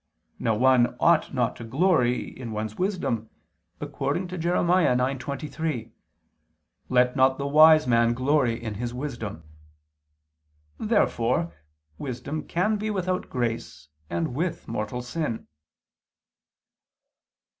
Now one ought not to glory in one's wisdom, according to Jer. 9:23: "Let not the wise man glory in his wisdom." Therefore wisdom can be without grace and with mortal sin.